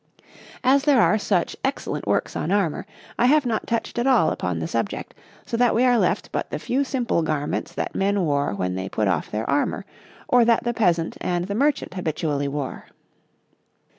As there are such excellent works on armour, I have not touched at all upon the subject, so that we are left but the few simple garments that men wore when they put off their armour, or that the peasant and the merchant habitually wore.